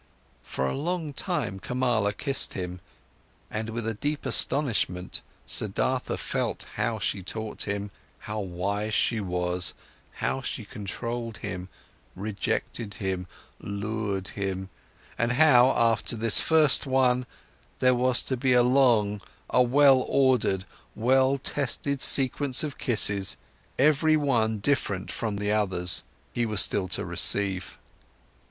For a long time, Kamala kissed him, and with a deep astonishment Siddhartha felt how she taught him, how wise she was, how she controlled him, rejected him, lured him, and how after this first one there was to be a long, a well ordered, well tested sequence of kisses, every one different from the others, he was still to receive.